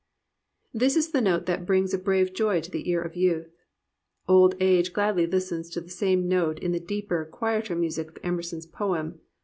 This is the note that brings a brave joy to the ear of youth. Old age gladly listens to the same note in the deeper, quieter music of Emerson's poem.